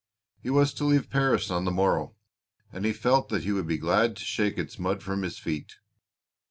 He was to leave Paris on the morrow, and he felt that he would be glad to shake its mud from his feet.